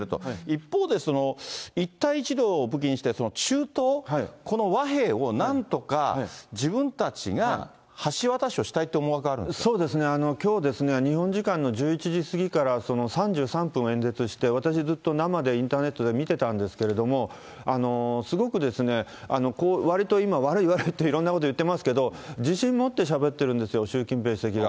一方で、一帯一路を武器にして、中東、この和平をなんとか自分たちが橋渡しをしたいって思惑があるんでそうですね、きょう日本時間の１１時過ぎから３３分演説して、私、ずっと生でインターネットで見てたんですけれども、すごく、割と今、悪い悪いといろんなこと言ってますけど、自信持ってしゃべってるんですよ、習近平主席が。